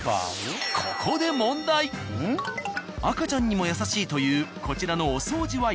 ここで赤ちゃんにも優しいというこちらのお掃除